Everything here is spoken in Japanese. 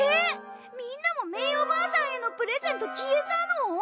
みんなもメイおばあさんへのプレゼント消えたの？